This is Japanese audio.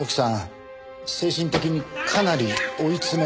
精神的にかなり追い詰められて。